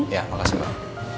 ya makasih bapak